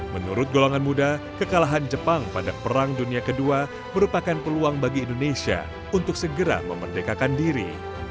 menurut golongan muda kekalahan jepang pada perang dunia ii merupakan peluang bagi indonesia untuk segera memerdekakan diri